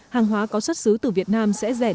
hàng hóa có xuất xứ từ việt nam